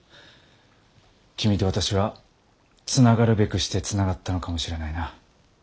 君と私はつながるべくしてつながったのかもしれないな。